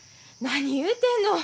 何言うてるの。